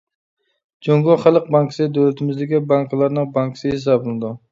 جۇڭگو خەلق بانكىسى دۆلىتىمىزدىكى بانكىلارنىڭ بانكىسى ھېسابلىنىدۇ.